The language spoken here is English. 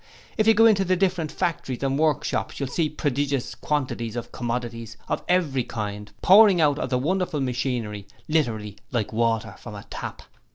If you go into the different factories and workshops you will see prodigious quantities of commodities of every kind pouring out of the wonderful machinery, literally like water from a tap.